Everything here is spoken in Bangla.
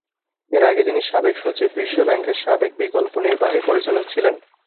এর আগে তিনি সাবেক সচিব, বিশ্ব ব্যাংকের সাবেক বিকল্প নির্বাহী পরিচালক ছিলেন।